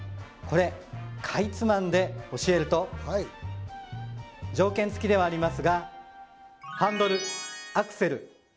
これかいつまんで教えると条件付きではありますがハンドルアクセル